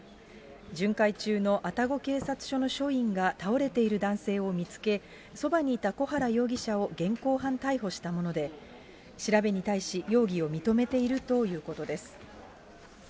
巡回中の愛宕警察署の署員が倒れている男性を見つけ、そばにいた小原容疑者を現行犯逮捕したもので、調べに対し、容疑を認めているということです。